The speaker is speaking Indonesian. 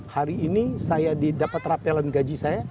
hari ini saya didapat rapelan gaji saya